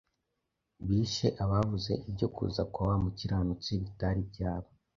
Bishe abavuze ibyo kuza kwa wa mukiranutsi bitari byaba,